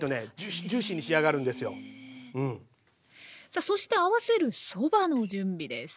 さあそして合わせるそばの準備です。